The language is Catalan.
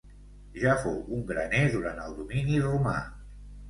Ja fou un graner durant el domini romà.